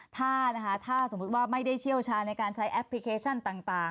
ถ้าสมมุติว่าไม่ได้เชี่ยวชาญในการใช้แอปพลิเคชันต่าง